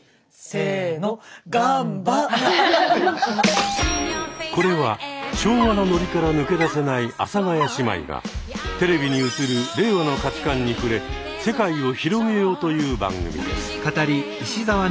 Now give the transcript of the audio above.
せのこれは昭和のノリから抜け出せない阿佐ヶ谷姉妹がテレビに映る令和の価値観に触れ世界を広げようという番組です。